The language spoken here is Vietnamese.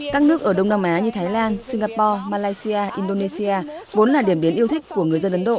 các nước ở đông nam á như thái lan singapore malaysia indonesia vốn là điểm biến yêu thương